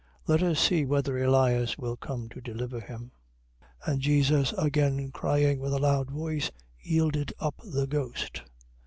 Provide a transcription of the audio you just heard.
Let us see whether Elias will come to deliver him. 27:50. And Jesus again crying with a loud voice, yielded up the ghost.